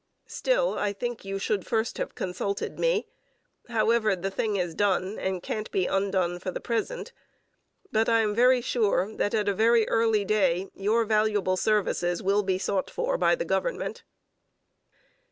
Still, I think you should have first consulted me. However, the thing is done and can't be undone for the present; but I am very sure that at a very early day your valuable services will be sought for by the government.